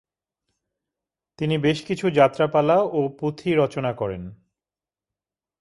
তিনি বেশ কিছু যাত্রাপালা ও পুথি রচনা করেন।